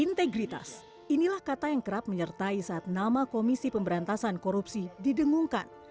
integritas inilah kata yang kerap menyertai saat nama komisi pemberantasan korupsi didengungkan